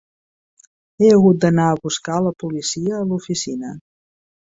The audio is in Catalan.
He hagut d'anar a buscar la policia a l'oficina.